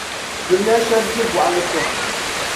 Zuliya shɛb’ gbi bɔɣili sɔŋ.